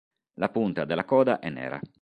La punta della coda è nera.